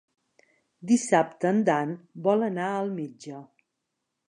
Dissabte en Dan vol anar al metge.